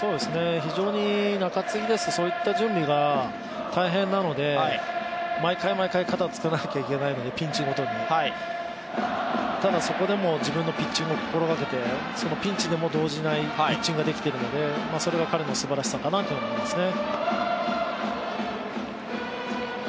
非常に中継ぎですとそういった準備が大変なので毎回毎回、肩を作らないといけないので、ピンチごとに、ただそこでも自分のピッチングを心がけて、そのピンチでも動じないピッチングができているので、それは彼のすばらしさかなと思いますね。